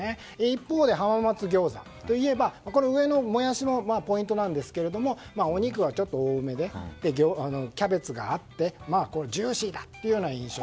一方で浜松ギョーザといえば上のもやしもポイントなんですがお肉がちょっと多めでキャベツがあってジューシーだという印象。